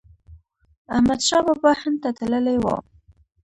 احمد شاه بابا هند ته تللی و.